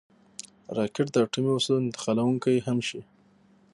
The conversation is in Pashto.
راکټ د اټومي وسلو انتقالونکی هم شي